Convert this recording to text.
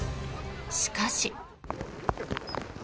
しかし。